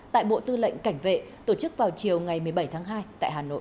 tại bộ tư lệnh cảnh vệ tổ chức vào chiều ngày một mươi bảy tháng hai tại hà nội